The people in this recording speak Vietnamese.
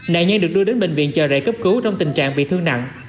nạn nhân được đưa đến bệnh viện chờ rễ cấp cứu trong tình trạng bị thương nặng